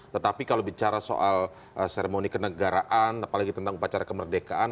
tetapi kalau bicara soal seremoni kenegaraan apalagi tentang upacara kemerdekaan